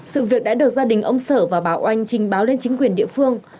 sự việc đã được gia đình ông sợ và bảo anh trình báo lên chính quyền địa phương